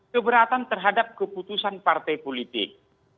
keberatan terhadap keputusan partai politik